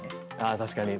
あ確かに。